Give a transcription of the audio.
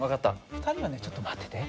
２人はねちょっと待ってて。